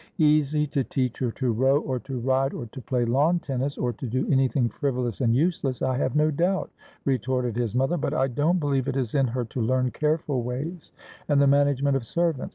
' Easy to teach her to row, or to ride, or to play lawn tennis, or to do anything frivolous and useless, I have no doubt,' re torted his mother ;' but I don't believe it is in her to learn careful ways, and the management of servants.